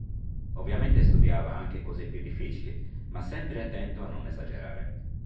Ovviamente studiava anche cose più difficili, ma sempre attento a non esagerare.